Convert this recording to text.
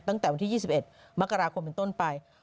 ตั้งแต่วันที่๒๑มกราคมเป็นต้นไป